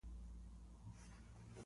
ښه ښکار یې وکړ.